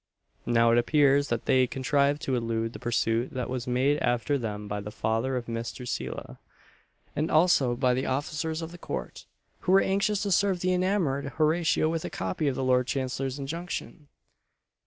Now it appears that they contrived to elude the pursuit that was made after them by the father of Miss Drusilla; and also by the officers of the court, who were anxious to serve the enamoured Horatio with a copy of the Lord Chancellor's injunction.